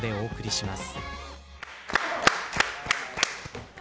します！